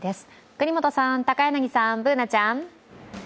國本さん、高柳さん、Ｂｏｏｎａちゃん。